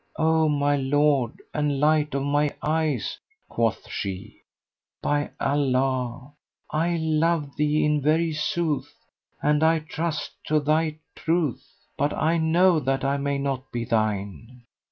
"O my lord, and light of my eyes," quoth she, "by Allah, I love thee in very sooth and I trust to thy truth, but I know that I may not be thine."